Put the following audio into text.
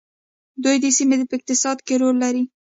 دوی د سیمې په اقتصاد کې رول لري.